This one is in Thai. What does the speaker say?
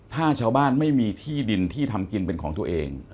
ถ้าชาวบ้านไม่มีที่ดินที่ทำกินเป็นของตัวเอง